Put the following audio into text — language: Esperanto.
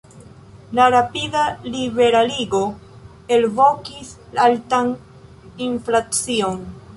La rapida liberaligo elvokis altan inflacion.